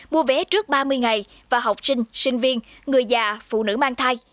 mua vé trước ba mươi ngày và học sinh sinh viên người già phụ nữ mang thai